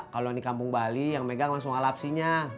kalau yang di kampung bali yang megang langsung al habsi nya